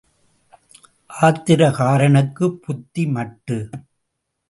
ஆத்திரக்காரனுக்குப் புத்தி மட்டு.